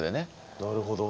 なるほどね。